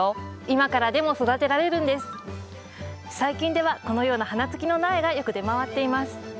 最近ではこのような花つきの苗がよく出回っています。